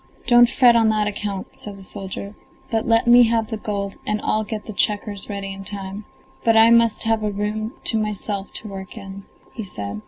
"Don't fret on that account," said the soldier, "but let me have the gold and I'll get the checkers ready in time; but I must have a room to myself to work in," he said.